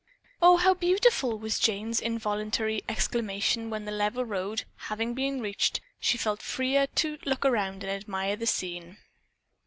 "O, how beautiful!" was Jane's involuntary exclamation when the level road, having been reached, she felt freer to look about and admire the scene.